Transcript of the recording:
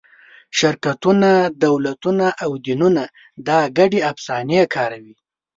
شرکتونه، دولتونه او دینونه دا ګډې افسانې کاروي.